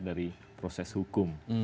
dari proses hukum